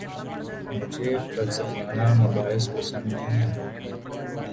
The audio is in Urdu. مجھے فلسفیانہ مباحث پسند نہیں ہیں